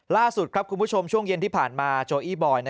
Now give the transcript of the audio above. ล่าสุดครับคุณผู้ชมช่วงเย็นที่ผ่านมาโจอี้บอย